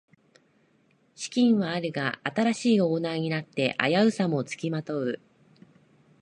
資金はあるが新しいオーナーになって危うさもつきまとう